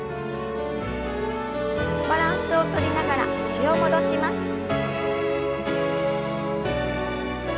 バランスをとりながら脚を戻します。